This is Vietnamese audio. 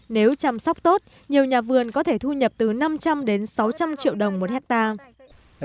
nếu chăm sóc tốt nhiều nhà vườn có thể thu nhập từ năm trăm linh đến sáu trăm linh triệu đồng một hectare